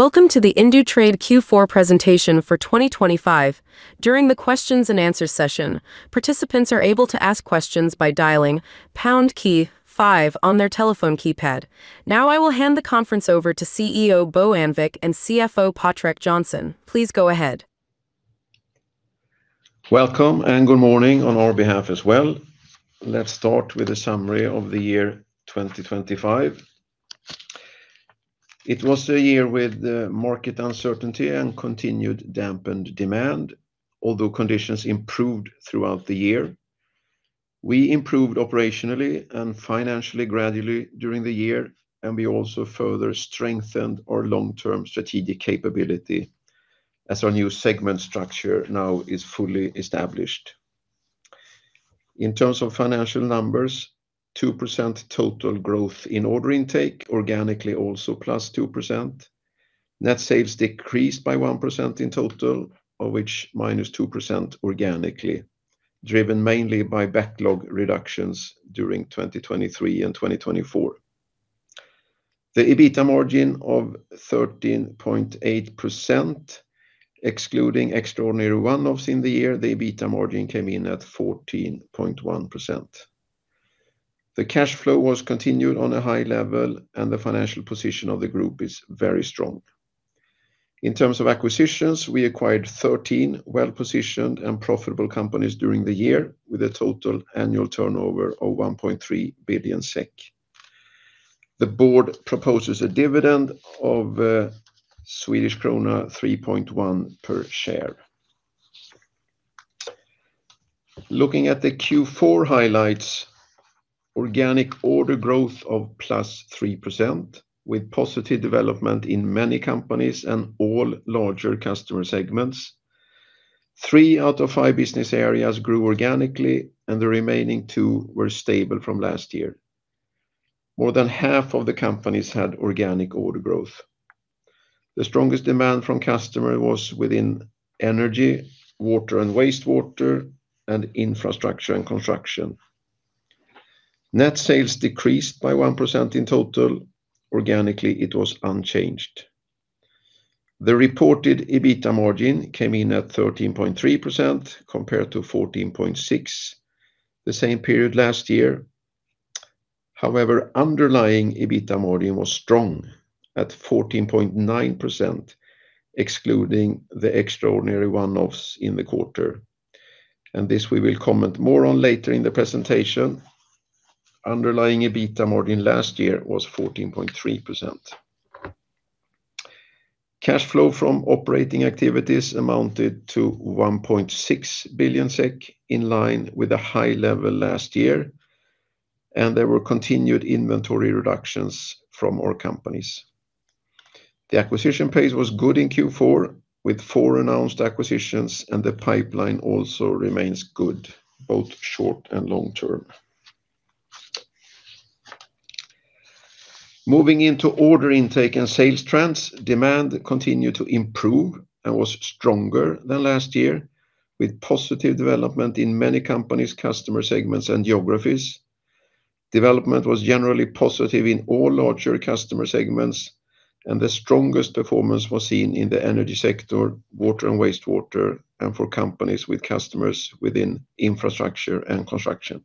Welcome to the Indutrade Q4 presentation for 2025. During the Q&A session, participants are able to ask questions by dialing pound key five on their telephone keypad. Now, I will hand the conference over to CEO Bo Annvik and CFO Patrik Johnson. Please go ahead. Welcome, and good morning on our behalf as well. Let's start with a summary of the year 2025. It was a year with market uncertainty and continued dampened demand, although conditions improved throughout the year. We improved operationally and financially gradually during the year, and we also further strengthened our long-term strategic capability as our new segment structure now is fully established. In terms of financial numbers, 2% total growth in order intake, organically also +2%. Net sales decreased by 1% in total, of which -2% organically, driven mainly by backlog reductions during 2023 and 2024. The EBITDA margin of 13.8%, excluding extraordinary one-offs in the year, the EBITDA margin came in at 14.1%. The cash flow was continued on a high level, and the financial position of the group is very strong. In terms of acquisitions, we acquired 13 well-positioned and profitable companies during the year, with a total annual turnover of 1.3 billion SEK. The board proposes a dividend of Swedish krona 3.1 per share. Looking at the Q4 highlights, organic order growth of +3%, with positive development in many companies and all larger customer segments. Three out of five business areas grew organically, and the remaining two were stable from last year. More than half of the companies had organic order growth. The strongest demand from customers was within energy, water and wastewater, and Infrastructure & Construction. Net sales decreased by 1% in total. Organically, it was unchanged. The reported EBITDA margin came in at 13.3%, compared to 14.6% the same period last year. However, underlying EBITDA margin was strong at 14.9%, excluding the extraordinary one-offs in the quarter, and this we will comment more on later in the presentation. Underlying EBITDA margin last year was 14.3%. Cash flow from operating activities amounted to 1.6 billion SEK, in line with a high level last year, and there were continued inventory reductions from our companies. The acquisition pace was good in Q4, with four announced acquisitions, and the pipeline also remains good, both short and long term. Moving into order intake and sales trends, demand continued to improve and was stronger than last year, with positive development in many companies, customer segments, and geographies. Development was generally positive in all larger customer segments, and the strongest performance was seen in the energy sector, water and wastewater, and for companies with customers within Infrastructure & Construction.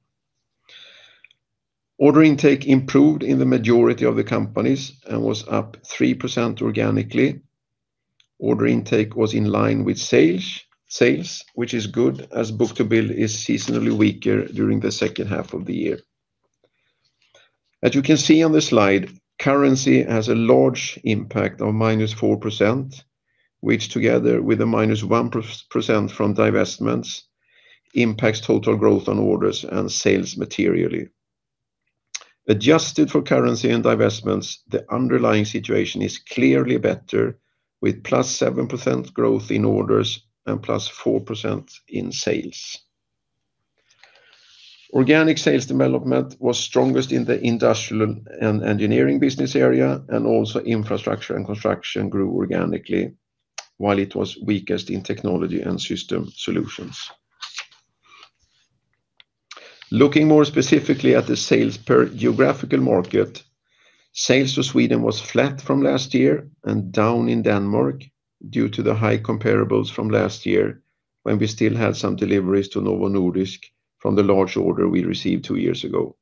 Order intake improved in the majority of the companies and was up 3% organically. Order intake was in line with sales, which is good, as book-to-bill is seasonally weaker during the second half of the year. As you can see on the slide, currency has a large impact of -4%, which together with the -1% from divestments impacts total growth on orders and sales materially. Adjusted for currency and divestments, the underlying situation is clearly better, with +7% growth in orders and +4% in sales. Organic sales development was strongest in the Industrial & Engineering business area, and also Infrastructure & Construction grew organically, while it was weakest in Technology & Systems Solutions. Looking more specifically at the sales per geographical market, sales to Sweden was flat from last year and down in Denmark due to the high comparables from last year when we still had some deliveries to Novo Nordisk from the large order we received two years ago.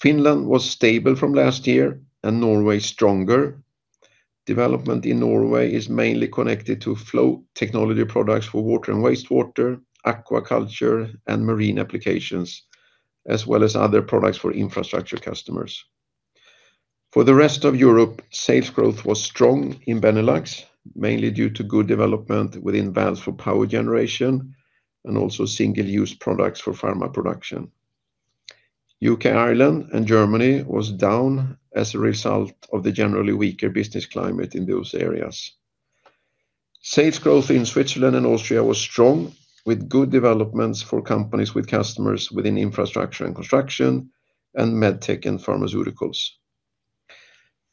Finland was stable from last year, and Norway stronger. Development in Norway is mainly connected to flow technology products for water and wastewater, aquaculture, and marine applications, as well as other products for infrastructure customers. For the rest of Europe, sales growth was strong in Benelux, mainly due to good development within valves for power generation and also single-use products for pharma production. U.K., Ireland, and Germany were down as a result of the generally weaker business climate in those areas. Sales growth in Switzerland and Austria was strong, with good developments for companies with customers within Infrastructure & Construction and MedTech and pharmaceuticals.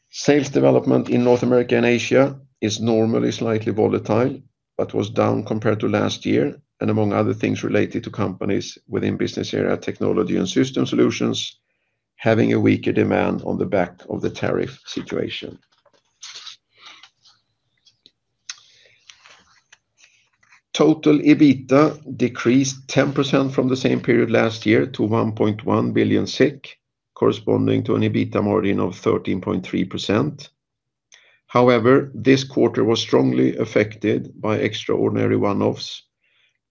Sales development in North America and Asia is normally slightly volatile but was down compared to last year, and among other things related to companies within business area Technology & Systems Solutions having a weaker demand on the back of the tariff situation. Total EBITDA decreased 10% from the same period last year to 1.1 billion, corresponding to an EBITDA margin of 13.3%. However, this quarter was strongly affected by extraordinary one-offs,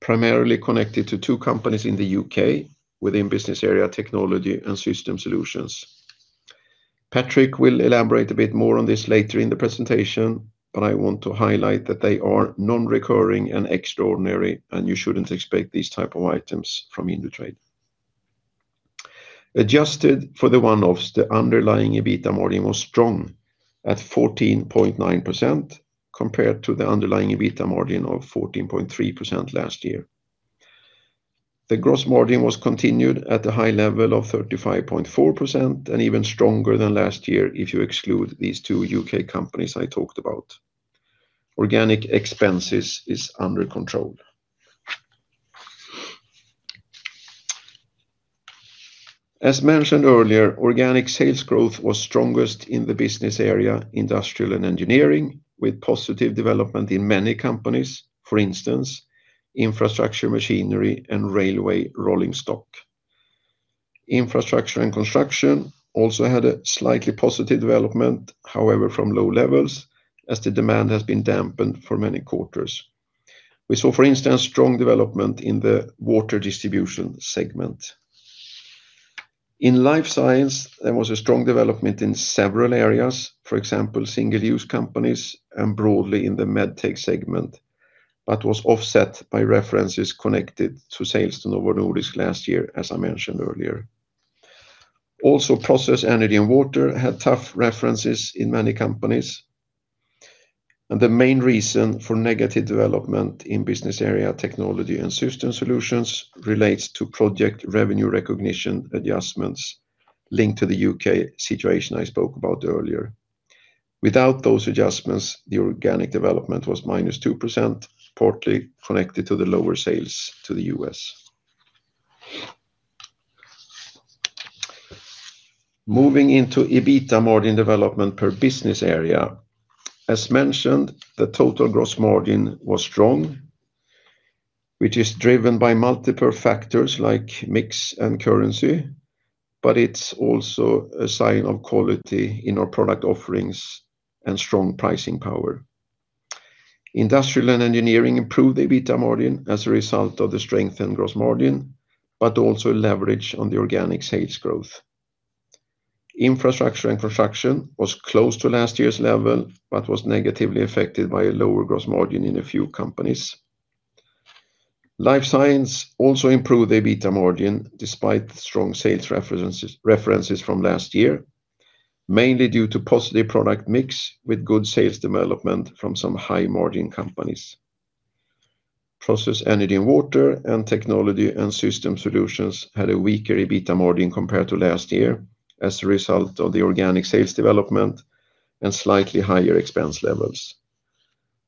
primarily connected to two companies in the U.K. within business area Technology & Systems Solutions. Patrik will elaborate a bit more on this later in the presentation, but I want to highlight that they are non-recurring and extraordinary, and you shouldn't expect these types of items from Indutrade. Adjusted for the one-offs, the underlying EBITDA margin was strong at 14.9% compared to the underlying EBITDA margin of 14.3% last year. The gross margin was continued at a high level of 35.4% and even stronger than last year if you exclude these two U.K. companies I talked about. Organic expenses are under control. As mentioned earlier, organic sales growth was strongest in the business area Industrial & Engineering, with positive development in many companies, for instance, infrastructure, machinery, and railway rolling stock. Infrastructure & Construction also had a slightly positive development, however from low levels, as the demand has been dampened for many quarters. We saw, for instance, strong development in the water distribution segment. In Life Science, there was a strong development in several areas, for example, single-use companies and broadly in the MedTech segment, but was offset by references connected to sales to Novo Nordisk last year, as I mentioned earlier. Also, Process, Energy & Water had tough references in many companies. The main reason for negative development in business area Technology & Systems Solutions relates to project revenue recognition adjustments linked to the U.K. situation I spoke about earlier. Without those adjustments, the organic development was -2%, partly connected to the lower sales to the U.S. Moving into EBITDA margin development per business area, as mentioned, the total gross margin was strong, which is driven by multiple factors like mix and currency, but it's also a sign of quality in our product offerings and strong pricing power. Industrial & Engineering improved EBITDA margin as a result of the strengthened gross margin, but also leverage on the organic sales growth. Infrastructure & Construction was close to last year's level but was negatively affected by a lower gross margin in a few companies. Life Science also improved EBITDA margin despite strong sales references from last year, mainly due to positive product mix with good sales development from some high-margin companies. Process, Energy & Water and Technology & Systems Solutions had a weaker EBITDA margin compared to last year as a result of the organic sales development and slightly higher expense levels.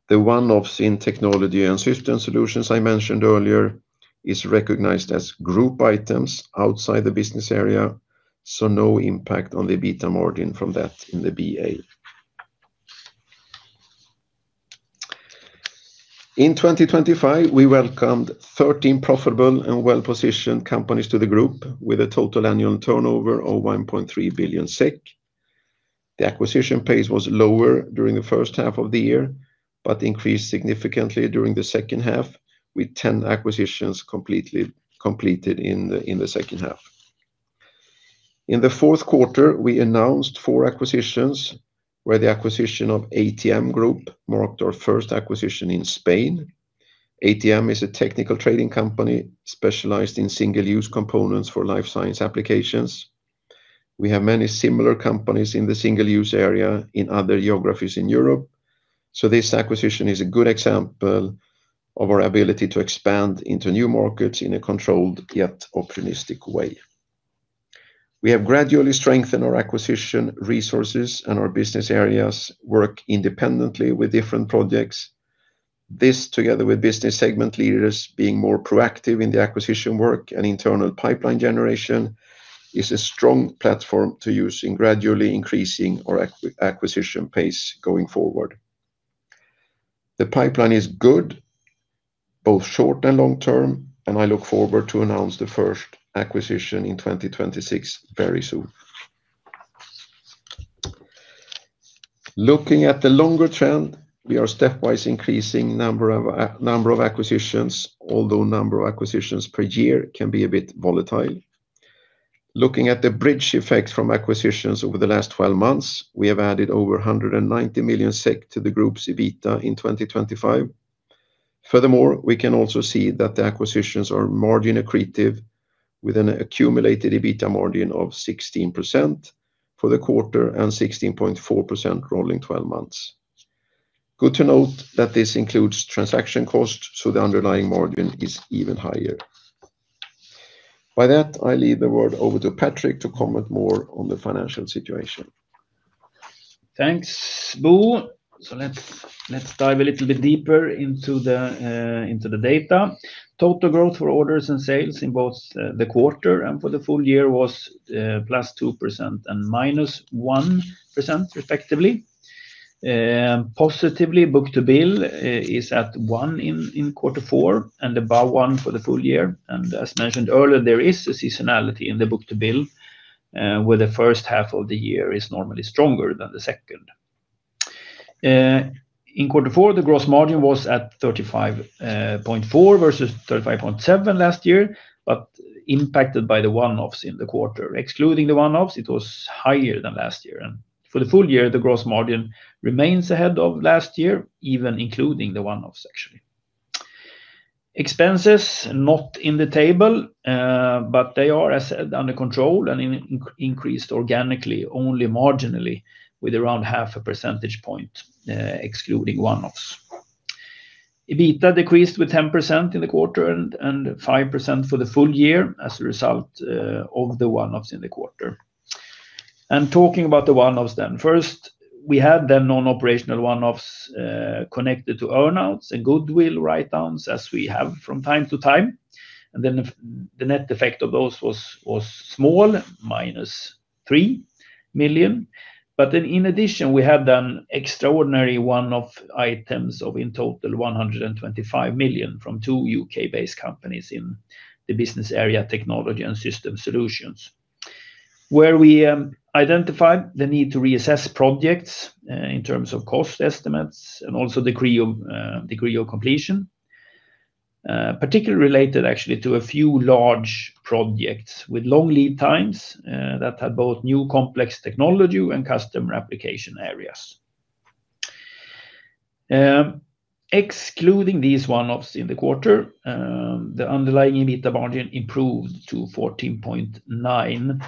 The one-offs in Technology & Systems Solutions I mentioned earlier are recognized as group items outside the business area, so no impact on the EBITDA margin from that in the BA. In 2025, we welcomed 13 profitable and well-positioned companies to the group with a total annual turnover of 1.3 billion SEK. The acquisition pace was lower during the first half of the year but increased significantly during the second half, with 10 acquisitions completed in the second half. In the fourth quarter, we announced four acquisitions, where the acquisition of ATM Group marked our first acquisition in Spain. ATM is a technical trading company specialized in single-use components for Life Science applications. We have many similar companies in the single-use area in other geographies in Europe, so this acquisition is a good example of our ability to expand into new markets in a controlled yet optimistic way. We have gradually strengthened our acquisition resources and our business areas work independently with different projects. This, together with business segment leaders being more proactive in the acquisition work and internal pipeline generation, is a strong platform to use in gradually increasing our acquisition pace going forward. The pipeline is good, both short and long term, and I look forward to announcing the first acquisition in 2026 very soon. Looking at the longer trend, we are stepwise increasing the number of acquisitions, although the number of acquisitions per year can be a bit volatile. Looking at the bridge effect from acquisitions over the last 12 months, we have added over 190 million SEK to the group's EBITDA in 2025. Furthermore, we can also see that the acquisitions are margin accretive, with an accumulated EBITDA margin of 16% for the quarter and 16.4% rolling 12 months. Good to note that this includes transaction costs, so the underlying margin is even higher. By that, I leave the word over to Patrik to comment more on the financial situation. Thanks, Bo. So let's dive a little bit deeper into the data. Total growth for orders and sales in both the quarter and for the full year was +2% and -1%, respectively. Positively, book-to-bill is at 1% in quarter four and above 1% for the full year. And as mentioned earlier, there is a seasonality in the book-to-bill, where the first half of the year is normally stronger than the second. In quarter four, the gross margin was at 35.4% versus 35.7% last year, but impacted by the one-offs in the quarter. Excluding the one-offs, it was higher than last year. And for the full year, the gross margin remains ahead of last year, even including the one-offs, actually. Expenses are not in the table, but they are, as said, under control and increased organically, only marginally, with around 0.5 percentage point, excluding one-offs. EBITDA decreased with 10% in the quarter and 5% for the full year as a result of the one-offs in the quarter. Talking about the one-offs then, first, we had then non-operational one-offs connected to earnouts and goodwill write-downs, as we have from time to time. The net effect of those was small, -3 million. But then in addition, we had then extraordinary one-off items of in total 125 million from two U.K.-based companies in the business area Technology & Systems Solutions, where we identified the need to reassess projects in terms of cost estimates and also degree of completion, particularly related actually to a few large projects with long lead times that had both new complex technology and customer application areas. Excluding these one-offs in the quarter, the underlying EBITDA margin improved to 14.9%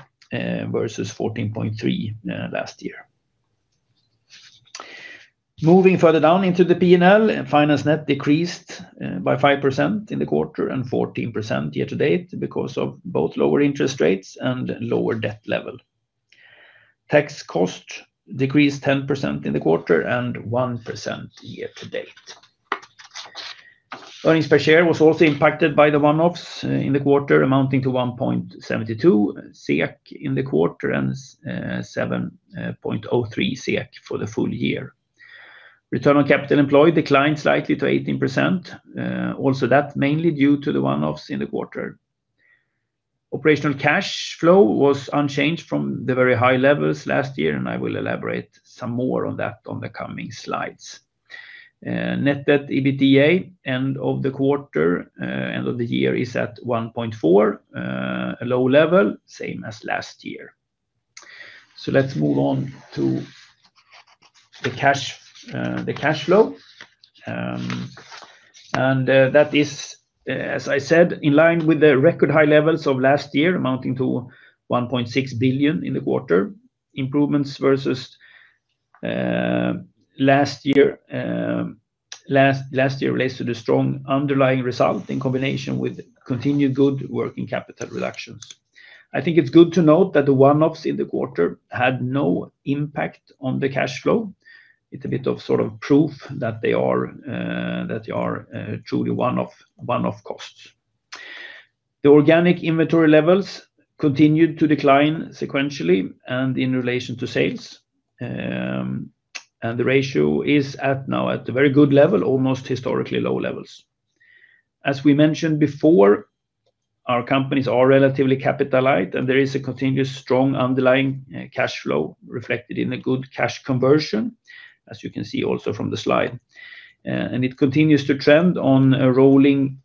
versus 14.3% last year. Moving further down into the P&L, finance net decreased by 5% in the quarter and 14% year-to-date because of both lower interest rates and lower debt level. Tax costs decreased 10% in the quarter and 1% year-to-date. Earnings per share was also impacted by the one-offs in the quarter, amounting to 1.72 SEK in the quarter and 7.03 SEK for the full year. Return on capital employed declined slightly to 18%, also that mainly due to the one-offs in the quarter. Operational cash flow was unchanged from the very high levels last year, and I will elaborate some more on that on the coming slides. Net debt EBITDA end of the quarter, end of the year, is at 1.4%, a low level, same as last year. So let's move on to the cash flow. That is, as I said, in line with the record high levels of last year, amounting to 1.6 billion in the quarter. Improvements versus last year relates to the strong underlying result in combination with continued good working capital reductions. I think it's good to note that the one-offs in the quarter had no impact on the cash flow. It's a bit of sort of proof that they are truly one-off costs. The organic inventory levels continued to decline sequentially and in relation to sales, and the ratio is now at a very good level, almost historically low levels. As we mentioned before, our companies are relatively capitalized, and there is a continuous strong underlying cash flow reflected in the good cash conversion, as you can see also from the slide. It continues to trend on a rolling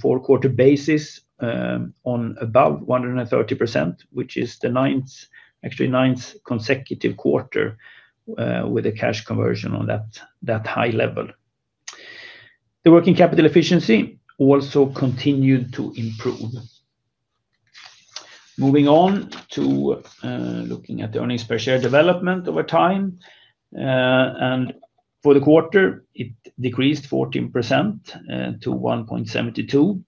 four-quarter basis on above 130%, which is the ninth, actually ninth consecutive quarter with a cash conversion on that high level. The working capital efficiency also continued to improve. Moving on to looking at the earnings per share development over time, and for the quarter, it decreased 14% to 1.72%,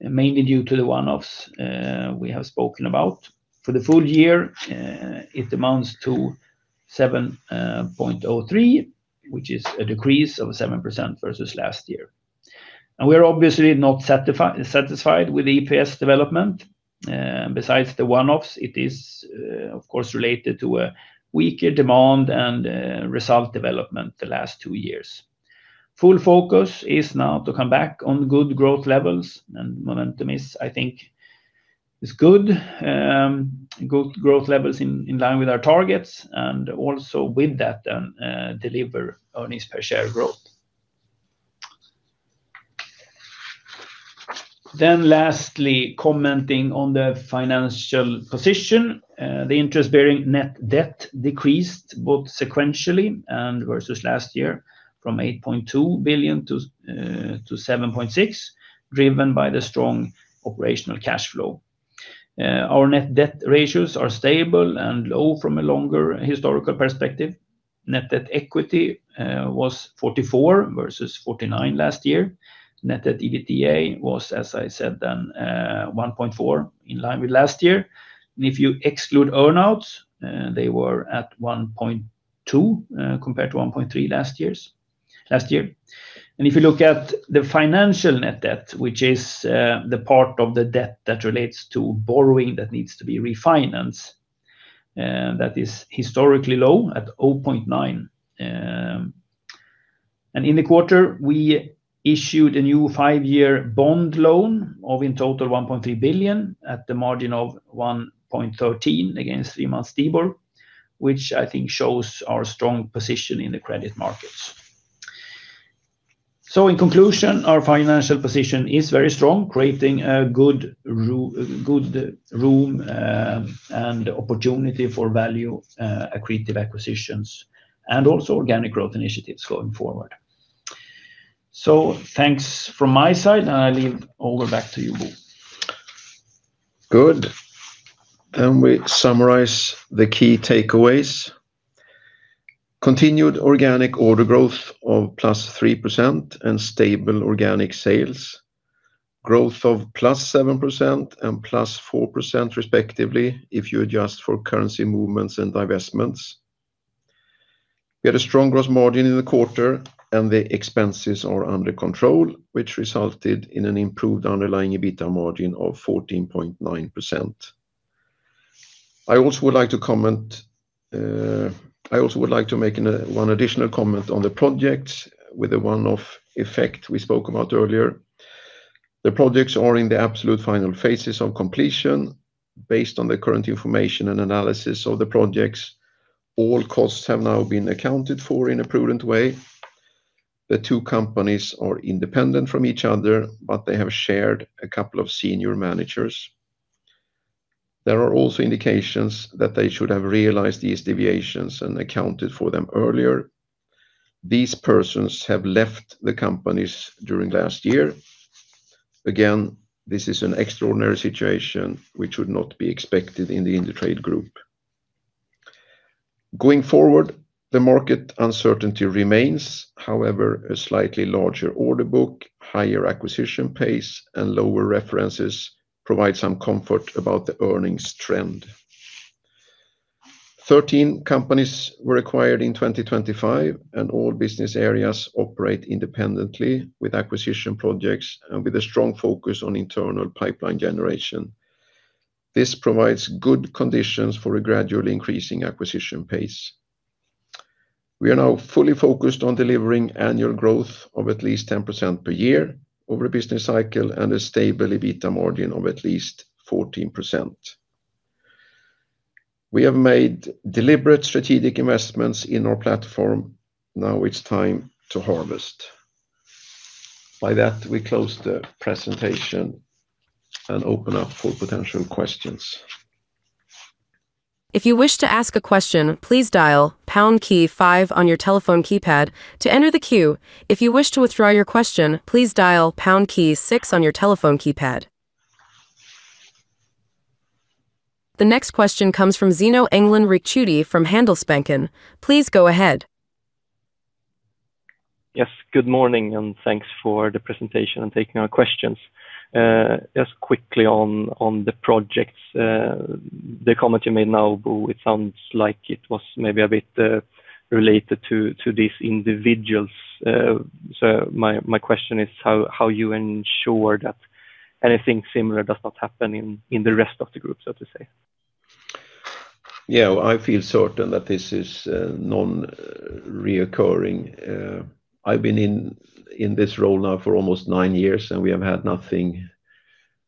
mainly due to the one-offs we have spoken about. For the full year, it amounts to 7.03%, which is a decrease of 7% versus last year. We are obviously not satisfied with the EPS development. Besides the one-offs, it is, of course, related to a weaker demand and result development the last two years. Full focus is now to come back on good growth levels, and momentum is, I think, good. Good growth levels in line with our targets, and also with that, then deliver earnings per share growth. Then lastly, commenting on the financial position, the interest-bearing net debt decreased both sequentially and versus last year from 8.2 billion to 7.6 billion, driven by the strong operational cash flow. Our net debt ratios are stable and low from a longer historical perspective. Net debt equity was 44% versus 49% last year. Net debt EBITDA was, as I said, then 1.4% in line with last year. If you exclude earnouts, they were at 1.2% compared to 1.3% last year. If you look at the financial net debt, which is the part of the debt that relates to borrowing that needs to be refinanced, that is historically low at 0.9%. In the quarter, we issued a new five-year bond loan of in total 1.3 billion at the margin of 1.13% against three-months STIBOR, which I think shows our strong position in the credit markets. So in conclusion, our financial position is very strong, creating a good room and opportunity for value-accretive acquisitions and also organic growth initiatives going forward. So thanks from my side, and I leave over back to you, Bo. Good. Then we summarize the key takeaways. Continued organic order growth of +3% and stable organic sales. Growth of +7% and +4%, respectively, if you adjust for currency movements and divestments. We had a strong gross margin in the quarter, and the expenses are under control, which resulted in an improved underlying EBITDA margin of 14.9%. I also would like to comment. I also would like to make one additional comment on the projects with the one-off effect we spoke about earlier. The projects are in the absolute final phases of completion. Based on the current information and analysis of the projects, all costs have now been accounted for in a prudent way. The two companies are independent from each other, but they have shared a couple of senior managers. There are also indications that they should have realized these deviations and accounted for them earlier. These persons have left the companies during last year. Again, this is an extraordinary situation which should not be expected in the Indutrade Group. Going forward, the market uncertainty remains. However, a slightly larger order book, higher acquisition pace, and lower references provide some comfort about the earnings trend. 13 companies were acquired in 2025, and all business areas operate independently with acquisition projects and with a strong focus on internal pipeline generation. This provides good conditions for a gradually increasing acquisition pace. We are now fully focused on delivering annual growth of at least 10% per year over a business cycle and a stable EBITDA margin of at least 14%. We have made deliberate strategic investments in our platform. Now it's time to harvest. By that, we close the presentation and open up for potential questions. If you wish to ask a question, please dial pound key five on your telephone keypad to enter the queue. If you wish to withdraw your question, please dial pound key six on your telephone keypad. The next question comes from Zino Engdalen Ricciuti from Handelsbanken. Please go ahead. Yes, good morning, and thanks for the presentation and taking our questions. Just quickly on the projects, the comment you made now, Bo, it sounds like it was maybe a bit related to these individuals. So my question is how you ensure that anything similar does not happen in the rest of the group, so to say? Yeah, I feel certain that this is non-recurring. I've been in this role now for almost nine years, and we have had nothing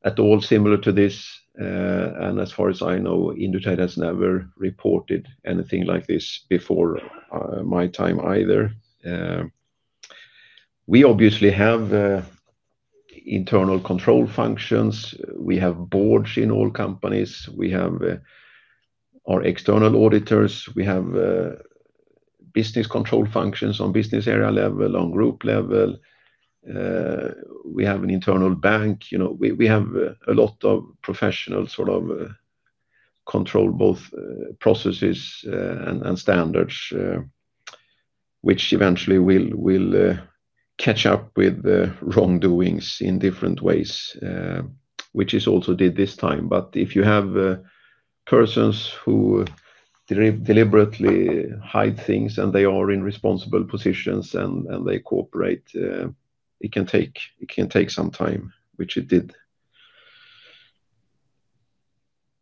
at all similar to this. And as far as I know, Indutrade has never reported anything like this before my time either. We obviously have internal control functions. We have boards in all companies. We have our external auditors. We have business control functions on business area level, on group level. We have an internal bank. We have a lot of professional sort of control both processes and standards, which eventually will catch up with the wrongdoings in different ways, which is also did this time. But if you have persons who deliberately hide things and they are in responsible positions and they cooperate, it can take some time, which it did.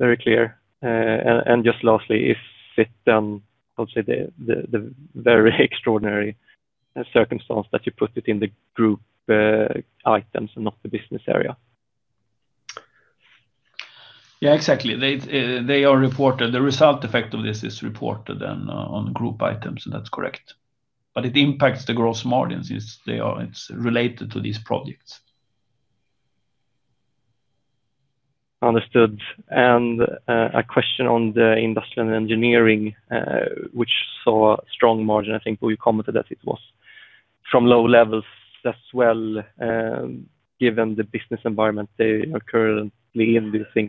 Very clear. And just lastly, is it then obviously the very extraordinary circumstance that you put it in the group items and not the business area? Yeah, exactly. They are reported. The result effect of this is reported then on group items, and that's correct. But it impacts the gross margin since it's related to these projects. Understood. And a question on the industrial engineering, which saw strong margin. I think, Bo, you commented that it was from low levels as well. Given the business environment they are currently in, do you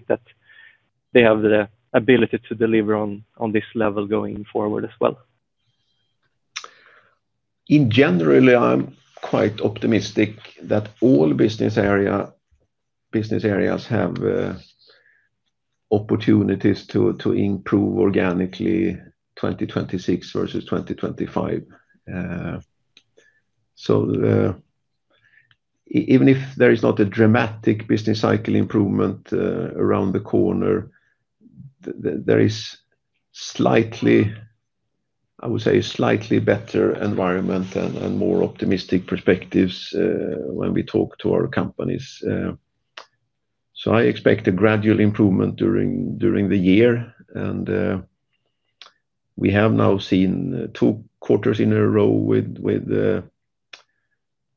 think that they have the ability to deliver on this level going forward as well? In general, I'm quite optimistic that all business areas have opportunities to improve organically 2026 versus 2025. So even if there is not a dramatic business cycle improvement around the corner, there is slightly, I would say, slightly better environment and more optimistic perspectives when we talk to our companies. So I expect a gradual improvement during the year. We have now seen two quarters in a row with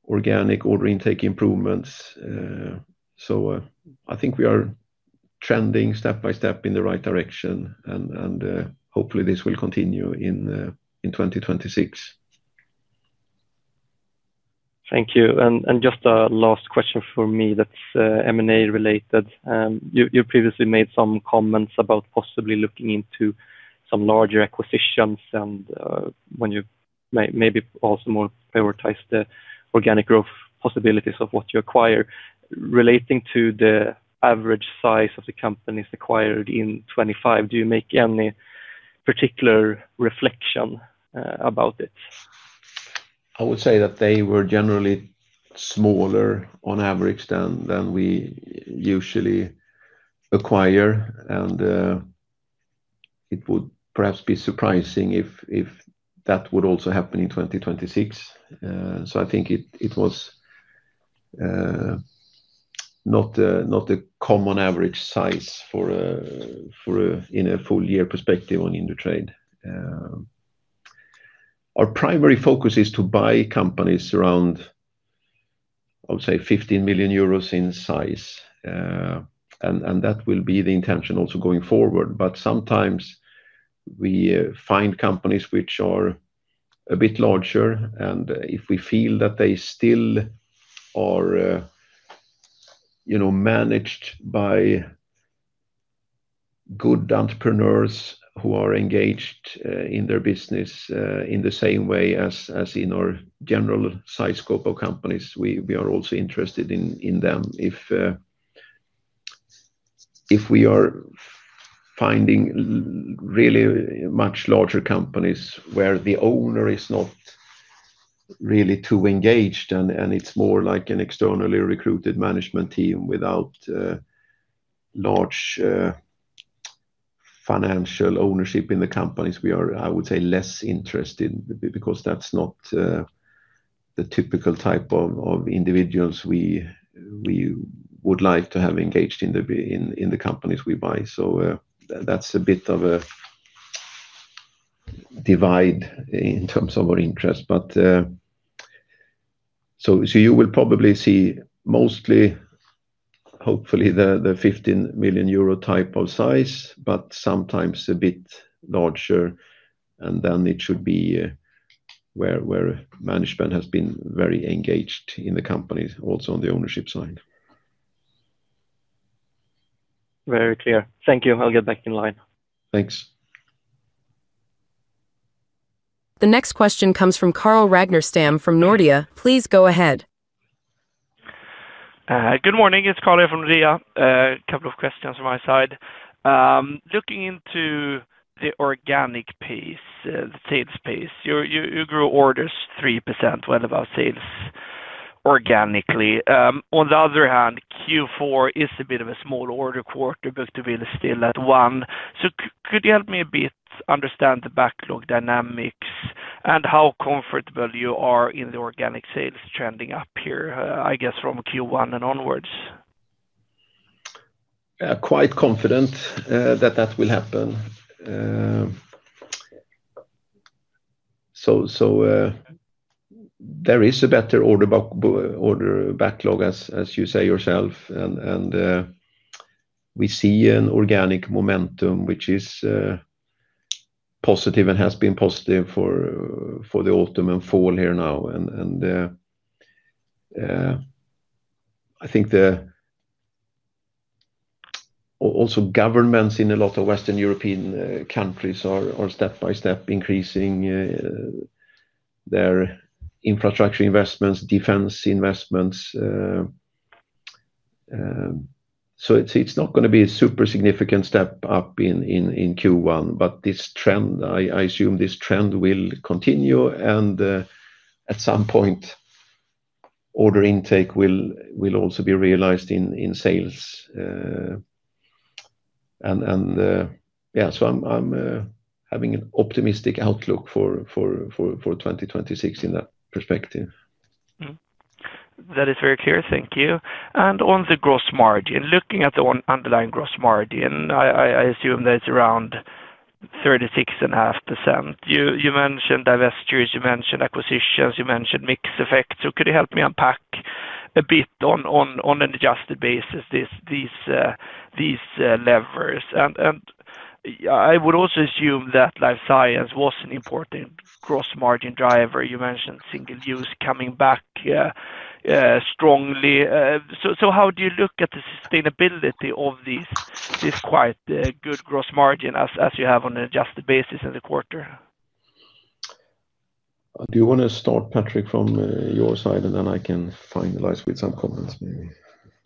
organic order intake improvements. So I think we are trending step by step in the right direction, and hopefully this will continue in 2026. Thank you. Just a last question for me that's M&A related. You previously made some comments about possibly looking into some larger acquisitions and maybe also more prioritize the organic growth possibilities of what you acquire. Relating to the average size of the companies acquired in 2025, do you make any particular reflection about it? I would say that they were generally smaller on average than we usually acquire, and it would perhaps be surprising if that would also happen in 2026. So I think it was not a common average size in a full-year perspective on Indutrade. Our primary focus is to buy companies around, I would say, 15 million euros in size. And that will be the intention also going forward. But sometimes we find companies which are a bit larger, and if we feel that they still are managed by good entrepreneurs who are engaged in their business in the same way as in our general size scope of companies, we are also interested in them. If we are finding really much larger companies where the owner is not really too engaged and it's more like an externally recruited management team without large financial ownership in the companies, we are, I would say, less interested because that's not the typical type of individuals we would like to have engaged in the companies we buy. So that's a bit of a divide in terms of our interest. So you will probably see mostly, hopefully, the 15 million euro type of size, but sometimes a bit larger. And then it should be where management has been very engaged in the companies, also on the ownership side. Very clear. Thank you. I'll get back in line. Thanks. The next question comes from Carl Ragnerstam from Nordea. Please go ahead. Good morning. It's Carl here from Nordea. A couple of questions on my side. Looking into the organic piece, the sales piece, you grew orders 3% when about sales organically. On the other hand, Q4 is a bit of a small order quarter, but you're still at 1%. So could you help me a bit understand the backlog dynamics and how comfortable you are in the organic sales trending up here, I guess, from Q1 and onwards? Quite confident that that will happen. So there is a better order backlog, as you say yourself, and we see an organic momentum which is positive and has been positive for the autumn and fall here now. And I think also governments in a lot of Western European countries are step by step increasing their infrastructure investments, defense investments. So it's not going to be a super significant step up in Q1, but I assume this trend will continue. And at some point, order intake will also be realized in sales. And yeah, so I'm having an optimistic outlook for 2026 in that perspective. That is very clear. Thank you. And on the gross margin, looking at the underlying gross margin, I assume that it's around 36.5%. You mentioned divestitures, you mentioned acquisitions, you mentioned mixed effects. So could you help me unpack a bit on an adjusted basis these levers? And I would also assume that Life Science was an important gross margin driver. You mentioned single use coming back strongly. So how do you look at the sustainability of this quite good gross margin as you have on an adjusted basis in the quarter? Do you want to start, Patrik, from your side, and then I can finalize with some comments maybe?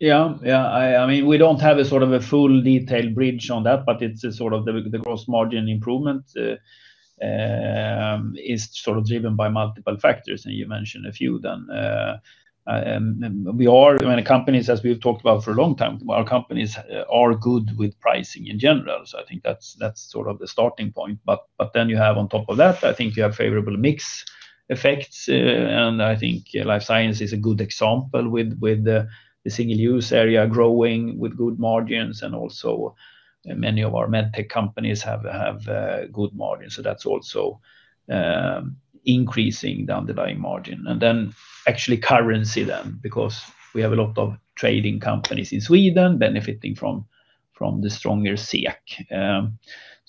Yeah. Yeah. I mean, we don't have a sort of a full detailed bridge on that, but it's sort of the gross margin improvement is sort of driven by multiple factors, and you mentioned a few then. We are companies, as we've talked about for a long time, our companies are good with pricing in general. So I think that's sort of the starting point. But then you have on top of that, I think you have favorable mix effects. I think Life Science is a good example with the single use area growing with good margins, and also many of our MedTech companies have good margins. So that's also increasing the underlying margin. And then actually currency then, because we have a lot of trading companies in Sweden benefiting from the stronger SEK.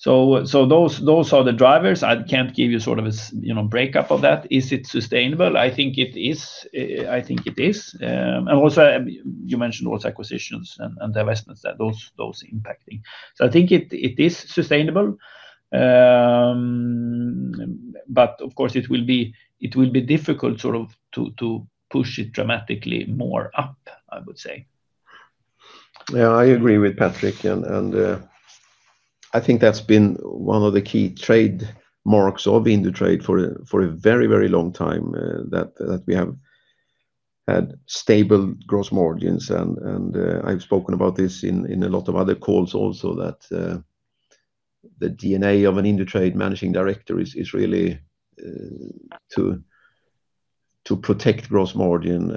So those are the drivers. I can't give you sort of a breakup of that. Is it sustainable? I think it is. I think it is. And also you mentioned also acquisitions and divestments, those impacting. So I think it is sustainable. But of course, it will be difficult sort of to push it dramatically more up, I would say. Yeah, I agree with Patrik. And I think that's been one of the key trademarks of Indutrade for a very, very long time that we have had stable gross margins. I've spoken about this in a lot of other calls also that the DNA of an Indutrade managing director is really to protect gross margin.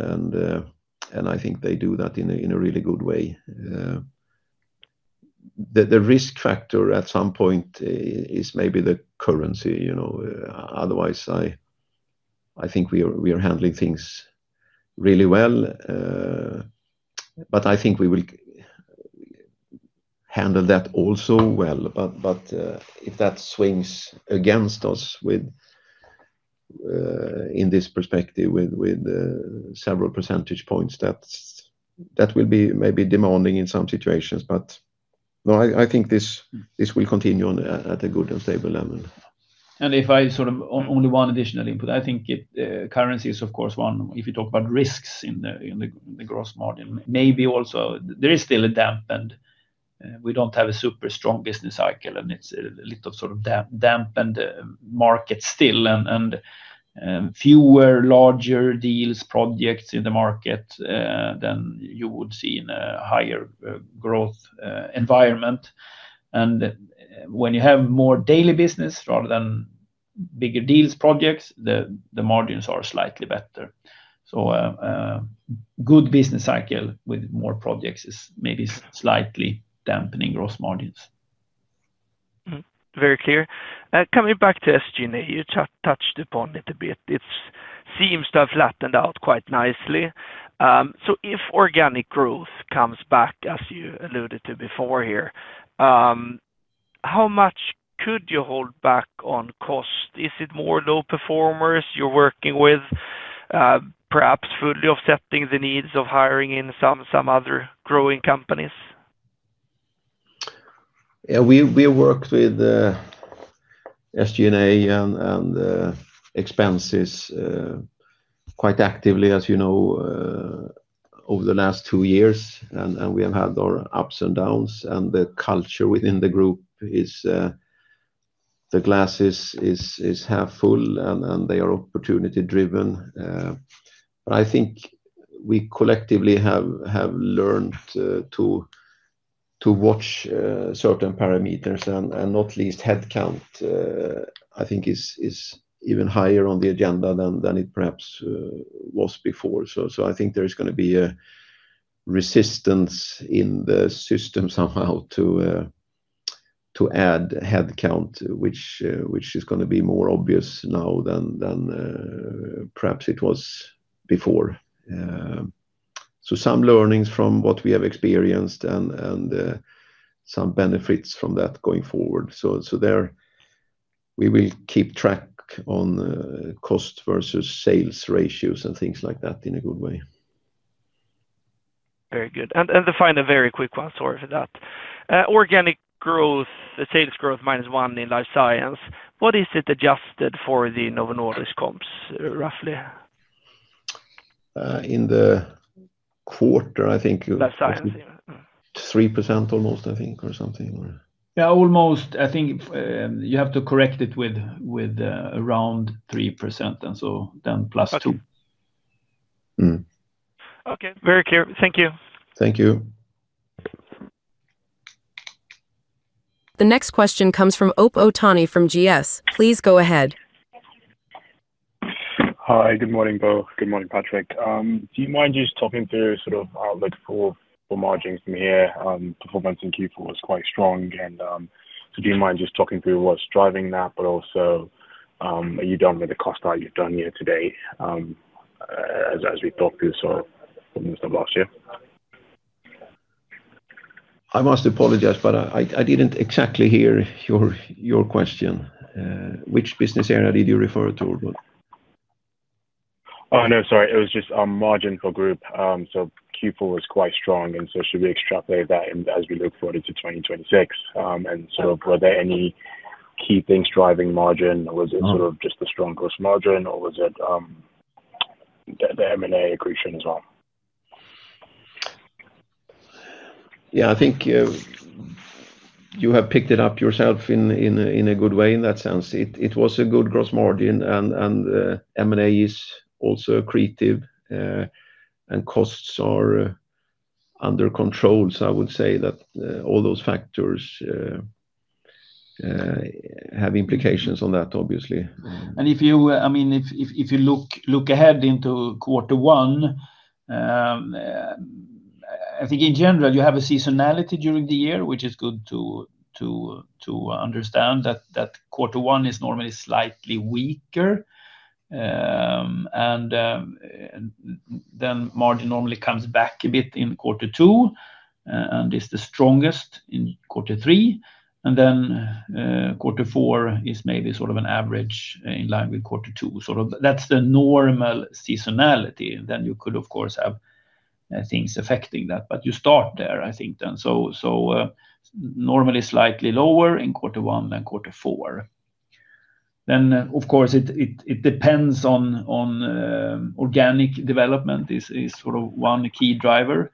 And I think they do that in a really good way. The risk factor at some point is maybe the currency. Otherwise, I think we are handling things really well. But I think we will handle that also well. But if that swings against us in this perspective with several percentage points, that will be maybe demanding in some situations. But no, I think this will continue at a good and stable level. And if I sort of only one additional input, I think currency is, of course, one. If you talk about risks in the gross margin, maybe also there is still a dampened. We don't have a super strong business cycle, and it's a little sort of dampened market still. Fewer larger deals, projects in the market than you would see in a higher growth environment. When you have more daily business rather than bigger deals, projects, the margins are slightly better. Good business cycle with more projects is maybe slightly dampening gross margins. Very clear. Coming back to SG&A, you touched upon it a bit. It seems to have flattened out quite nicely. So if organic growth comes back, as you alluded to before here, how much could you hold back on cost? Is it more low performers you're working with, perhaps fully offsetting the needs of hiring in some other growing companies? Yeah, we worked with SG&A and expenses quite actively, as you know, over the last two years. We have had our ups and downs. The culture within the group is the glass is half full, and they are opportunity-driven. But I think we collectively have learned to watch certain parameters. Not least headcount, I think, is even higher on the agenda than it perhaps was before. I think there is going to be a resistance in the system somehow to add headcount, which is going to be more obvious now than perhaps it was before. Some learnings from what we have experienced and some benefits from that going forward. We will keep track on cost versus sales ratios and things like that in a good way. Very good. To find a very quick answer for that, organic growth, sales growth minus one in Life Science, what is it adjusted for the Novo Nordisk comps roughly? In the quarter, I think. Life Science, yeah. 3% almost, I think, or something. Yeah, almost. I think you have to correct it with around 3% and so then +2%. Okay. Very clear. Thank you. Thank you. The next question comes from Ope Otaniyi from GS. Please go ahead. Hi. Good morning, Bo. Good morning, Patrik. Do you mind just talking through sort of our look for margins from here? Performance in Q4 was quite strong. And so do you mind just talking through what's driving that, but also are you done with the cost that you've done here today as we talked through sort of the last year? I must apologize, but I didn't exactly hear your question. Which business area did you refer to? Oh, no, sorry. It was just our margin for group. So Q4 was quite strong. And so should we extrapolate that as we look forward into 2026? And sort of were there any key things driving margin? Was it sort of just the strong gross margin, or was it the M&A accretion as well? Yeah, I think you have picked it up yourself in a good way in that sense. It was a good gross margin, and M&A is also accretive, and costs are under control. So I would say that all those factors have implications on that, obviously. And I mean, if you look ahead into quarter one, I think in general, you have a seasonality during the year, which is good to understand that quarter one is normally slightly weaker. And then margin normally comes back a bit in quarter two, and it's the strongest in quarter three. And then quarter four is maybe sort of an average in line with quarter two. So that's the normal seasonality. Then you could, of course, have things affecting that. But you start there, I think, then. So, normally slightly lower in quarter one than quarter four. Then, of course, it depends on organic development is sort of one key driver.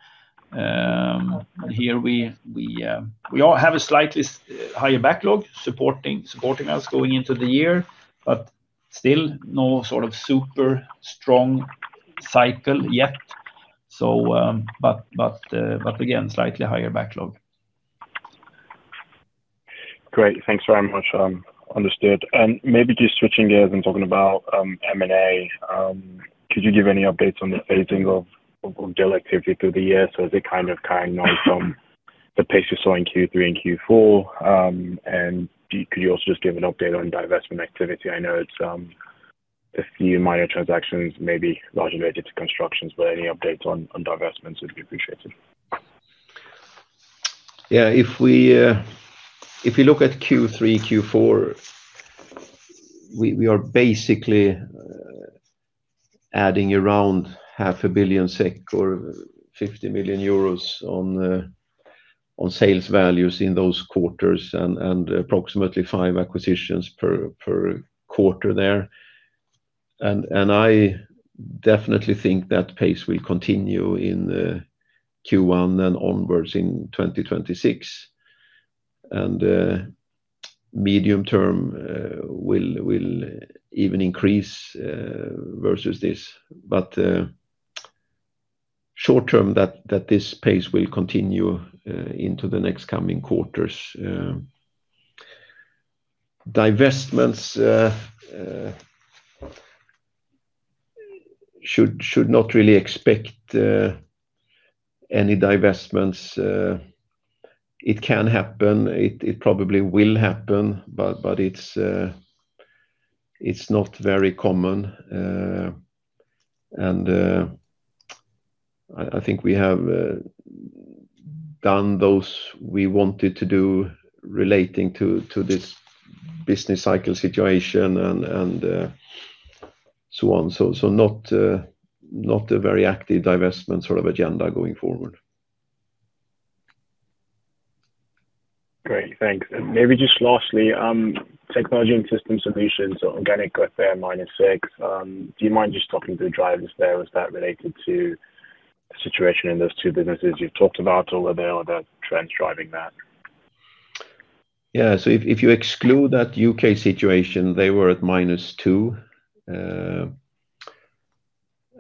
And here we have a slightly higher backlog supporting us going into the year, but still no sort of super strong cycle yet. But again, slightly higher backlog. Great. Thanks very much. Understood. And maybe just switching gears and talking about M&A, could you give any updates on the phasing of deal activity through the year? So, is it kind of carrying on from the pace you saw in Q3 and Q4? And could you also just give an update on divestment activity? I know it's a few minor transactions, maybe largely related to constructions, but any updates on divestments would be appreciated. Yeah. If we look at Q3, Q4, we are basically adding around 500 million SEK or 50 million euros on sales values in those quarters and approximately five acquisitions per quarter there. I definitely think that pace will continue in Q1 and onwards in 2026. Medium term will even increase versus this. But short term, that this pace will continue into the next coming quarters. Divestments should not really expect any divestments. It can happen. It probably will happen, but it's not very common. I think we have done those we wanted to do relating to this business cycle situation and so on. So not a very active divestment sort of agenda going forward. Great. Thanks. Maybe just lastly, Technology & Systems Solutions, so organic at their -6%. Do you mind just talking to the drivers there? Was that related to the situation in those two businesses you've talked about, or were there other trends driving that? Yeah. So if you exclude that U.K. situation, they were at -2%.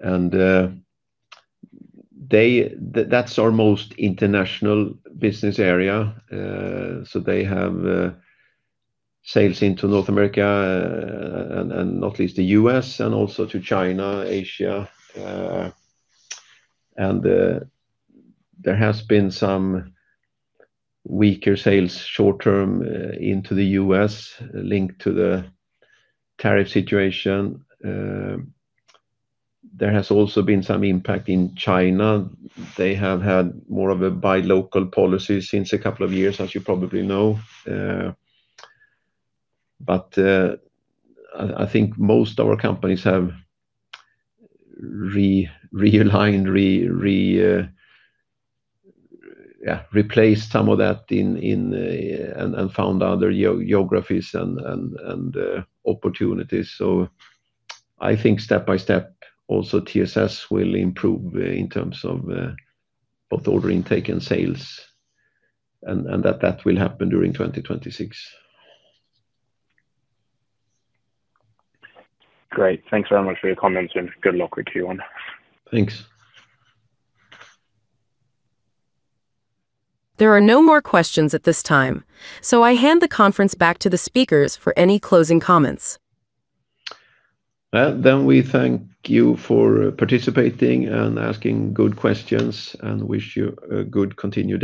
And that's our most international business area. So they have sales into North America and not least the U.S., and also to China, Asia. And there has been some weaker sales short-term into the U.S. linked to the tariff situation. There has also been some impact in China. They have had more of a buy local policy since a couple of years, as you probably know. But I think most of our companies have realigned, replaced some of that, and found other geographies and opportunities. So I think step by step, also TSS will improve in terms of both order intake and sales, and that will happen during 2026. Great. Thanks very much for your comments, and good luck with Q1. Thanks. There are no more questions at this time. So, I hand the conference back to the speakers for any closing comments. Then we thank you for participating and asking good questions and wish you a good continued.